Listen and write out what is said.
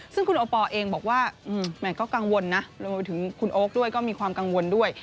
ซึ่งคุณโอปอลเองบอกว่าแหมก็กังวลนะรวมไปถึงคุณโอ๊คด้วยก็มีความกังวลด้วย